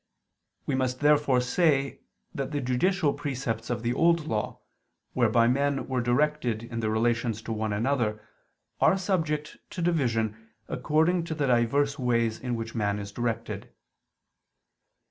We must therefore say that the judicial precepts of the Old Law, whereby men were directed in their relations to one another, are subject to division according to the divers ways in which man is directed.